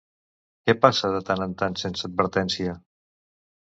Què passa de tant en tant sense advertència?